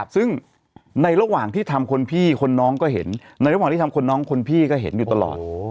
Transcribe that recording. ซึ่งในระหว่างที่ทำคนพี่คนน้องก็เห็นในระหว่างที่ทำคนน้องคนพี่ก็เห็นอยู่ตลอด